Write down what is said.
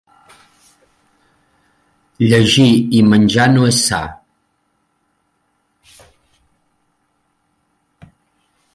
Llegir i menjar no és sa.